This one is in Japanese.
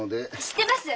知ってます。